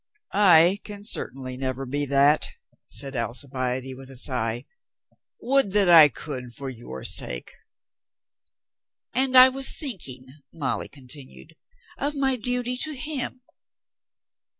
"I can certainly never be that," said Alcibiade with a sigh. "Would that I could for your sake." "And I was thinking," Molly continued, "of my duty to him."